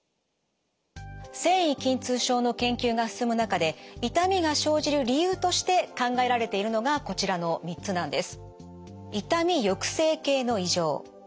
線維筋痛症の研究が進む中で痛みが生じる理由として考えられているのがこちらの３つなんです。